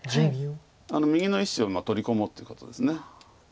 あの右の１子を取り込もうということです。